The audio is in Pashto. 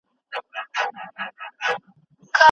کندهار د تل لپاره د صفویانو له منګولو ووت.